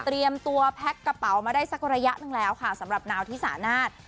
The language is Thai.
ตัวแพ็คกระเป๋ามาได้สักระยะหนึ่งแล้วค่ะสำหรับนาวที่สานาศ